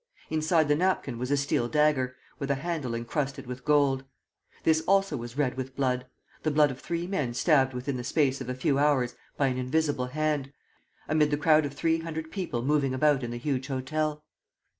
Inside the napkin was a steel dagger, with a handle encrusted with gold. This also was red with blood, the blood of three men stabbed within the space of a few hours by an invisible hand, amid the crowd of three hundred people moving about in the huge hotel.